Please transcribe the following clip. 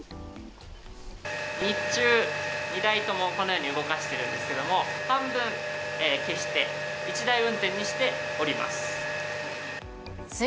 日中、２台ともこのように動かしているんですけれども、半分消して、１台運転にしております。